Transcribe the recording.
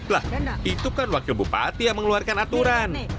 lah itu kan wakil bupati yang mengeluarkan aturan